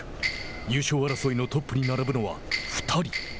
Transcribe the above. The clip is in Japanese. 優勝争いのトップに並ぶのは２人。